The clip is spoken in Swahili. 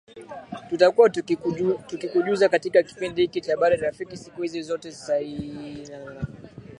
tutakuwa tukikujuza katika kipindi hiki cha habari rafiki siku hizo sita nini kinaendelea